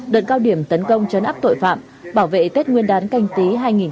đợt cao điểm tấn công chấn áp tội phạm bảo vệ tết nguyên đán canh tí hai nghìn hai mươi